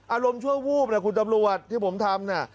อารมณ์ชั่ววูบนะคุณตำรวจที่ผมทำน่ะ